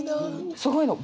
すごいの。